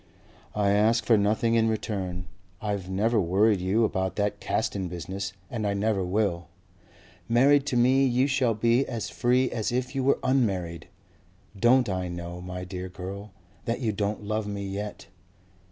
"I ask for nothing in return. I've never worried you about that Caston business and I never will. Married to me you shall be as free as if you were unmarried. Don't I know, my dear girl, that you don't love me yet.